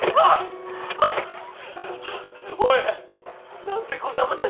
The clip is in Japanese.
お栄何でこんなことに。